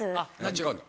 ・違うの？